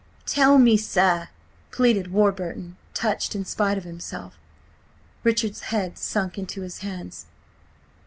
"Tell me, sir," pleaded Warburton, touched in spite of himself. Richard's head sunk into his hands.